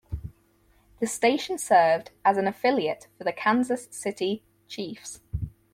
The station served as an affiliate for the Kansas City Chiefs.